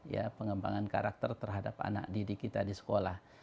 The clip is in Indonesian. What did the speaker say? ya pengembangan karakter terhadap anak didik kita di sekolah